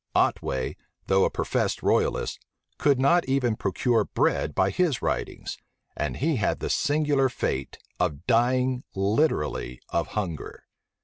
Otway, though a professed royalist, could not even procure bread by his writings; and he had the singular fate of dying literally of hunger.